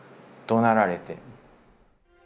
どなられて。